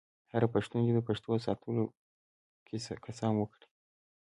هر پښتون دې د پښتو د ساتلو قسم وکړي.